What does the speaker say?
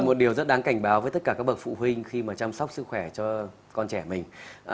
một điều rất đáng cảnh báo với tất cả các bậc phụ huynh khi mà chăm sóc sức khỏe cho con trẻ mình